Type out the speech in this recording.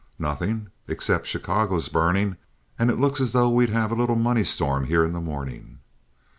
"Nothing—except Chicago's burning, and it looks as though we'd have a little money storm here in the morning."